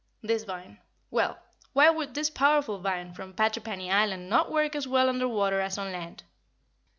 This vine well, why would this powerful vine from Patrippany Island not work as well under water as on land?